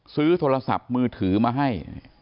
ซื้อโทรศัพท์มือถือมาให้